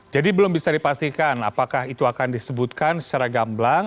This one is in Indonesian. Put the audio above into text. jadi belum bisa dipastikan apakah itu akan disebutkan secara gamblang